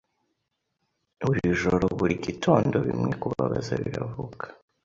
Buri joroburi gitondo Bimwe Kubabaza Biravuka